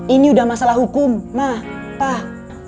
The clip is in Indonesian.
ini udah masalah hukum mah pak